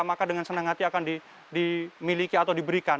maka dengan senang hati akan dimiliki atau diberikan